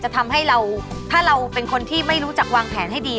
ถ้าเราเป็นคนที่ไม่รู้จักวางแผนให้ดี